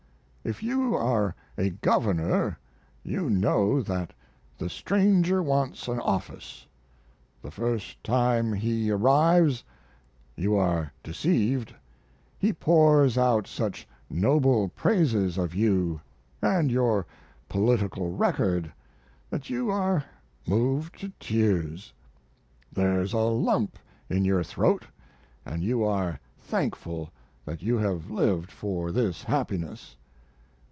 If you are a governor you know that the stranger wants an office. The first time he arrives you are deceived; he pours out such noble praises of you and your political record that you are moved to tears; there's a lump in your throat and you are thankful that you have lived for this happiness.